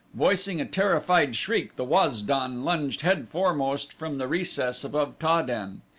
Voicing a terrified shriek, the Waz don lunged headforemost from the recess above Ta den.